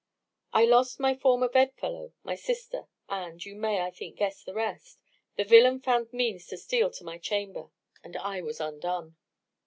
I lost my former bed fellow, my sister, and you may, I think, guess the rest the villain found means to steal to my chamber, and I was undone.